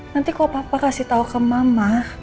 nanti kalau papa kasih tau ke mama